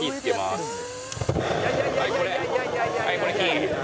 はいこれ火。